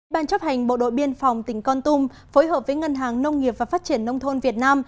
ban chấp hành bộ đội biên phòng tỉnh con tum phối hợp với ngân hàng nông nghiệp và phát triển nông thôn việt nam